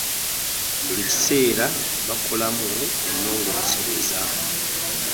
Buli kaseera bakolamu ennongoosereza.